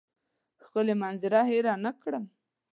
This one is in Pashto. ښکلې منظره هېره نه کړم.